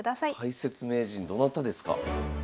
解説名人どなたですか？